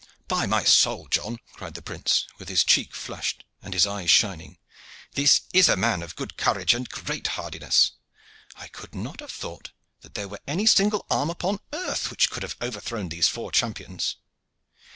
"By my soul! John," cried the prince, with his cheek flushed and his eyes shining, "this is a man of good courage and great hardiness. I could not have thought that there was any single arm upon earth which could have overthrown these four champions."